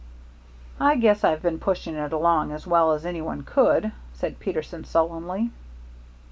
"I guess I've been pushing it along as well as any one could," said Peterson, sullenly.